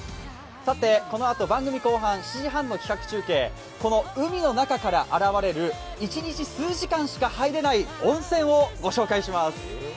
さて、このあと番組後半、７時半の企画中継、この海の中から現れる一日数時間しか入れない温泉をご紹介します。